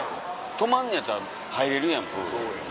泊まんのやったら入れるやんプール。